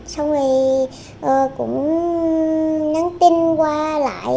xong rồi cũng nhắn tin qua lại